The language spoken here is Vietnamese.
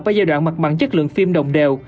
ở giai đoạn mặt bằng chất lượng phim đồng đều